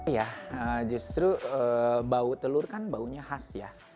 ya justru bau telur kan baunya khas ya